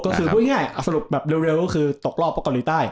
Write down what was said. ก็คือพูดง่ายง่ายอ่าสรุปแบบเร็วเร็วก็คือตกรอบประกอบดีใต้